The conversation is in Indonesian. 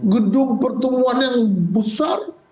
gedung pertemuan yang besar